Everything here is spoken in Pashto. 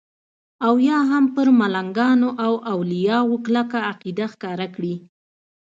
او یا هم پر ملنګانو او اولیاو کلکه عقیده ښکاره کړي.